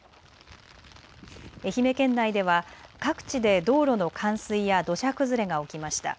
愛媛県内では各地で道路の冠水や土砂崩れが起きました。